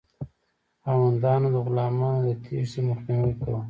خاوندانو د غلامانو د تیښتې مخنیوی کاوه.